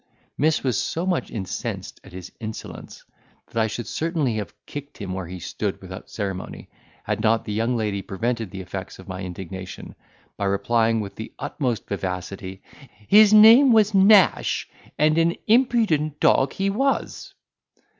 Miss was so much incensed at his insolence, that I should certainly have kicked him where he stood without ceremony, had not the young lady prevented the effects of my indignation, by replying with the utmost vivacity, "His name was Nash, and an impudent dog he was."